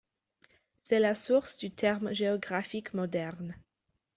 C'est la source du terme géographique moderne.